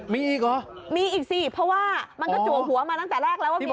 มีอีกเหรอมีอีกสิเพราะว่ามันก็จัวหัวมาตั้งแต่แรกแล้วว่าเมีย